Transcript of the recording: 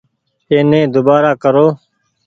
ايني ۮوبآرآ ڪرو ۔